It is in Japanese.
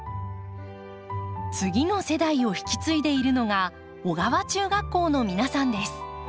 次の世代を引き継いでいるのが尾川中学校の皆さんです。